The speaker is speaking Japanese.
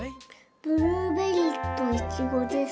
ブルーベリーとイチゴです。